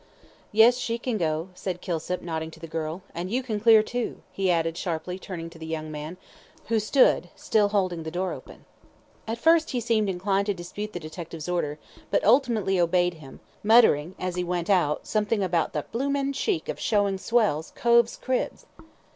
"Yes, she can go." said Kilsip, nodding to the girl, "and you can clear, too," he added, sharply, turning to the young man, who stood still holding the door open. At first he seemed inclined to dispute the detective's order, but ultimately obeyed him, muttering, as he went out, something about "the blooming cheek of showin' swells cove's cribs."